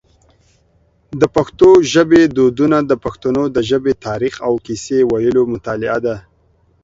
د پښتو ژبی دودونه د پښتنو د ژبی تاریخ او کیسې ویلو مطالعه ده.